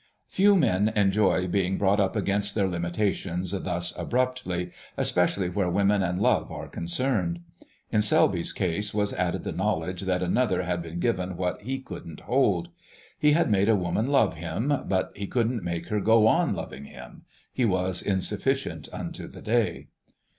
Few men enjoy being brought up against their limitations thus abruptly, especially where Women and Love are concerned. In Selby's case was added the knowledge that another had been given what he couldn't hold. He had made a woman love him, but he couldn't make her go on loving him.... He was insufficient unto the day.